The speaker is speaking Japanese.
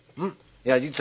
いや実はな